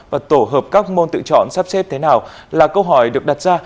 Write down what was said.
và tổ hợp các môn tự chọn sắp xếp thế nào là câu hỏi được đặt ra